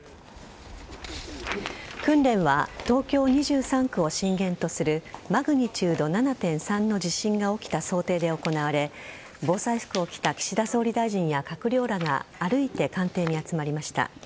訓練は東京２３区を震源とするマグニチュード７．３の地震が起きた想定で行われ防災服を着た岸田総理大臣や閣僚らが歩いて官邸に集まりました。